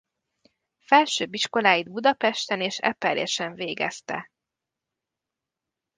Felsőbb iskoláit Budapesten és Eperjesen végezte.